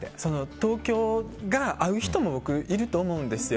東京が合う人もいると思うんですよ。